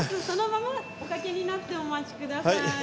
そのままお掛けになってお待ちください。